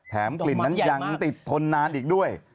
กลิ่นนั้นยังติดทนนานอีกด้วย